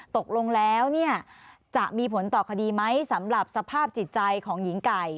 ตกลงแล้วจะมีผลต่อคดีไหมสำหรับสภาพจิตใจของหญิงไก่